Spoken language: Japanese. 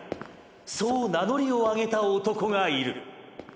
そう名乗りを上げた男がいる。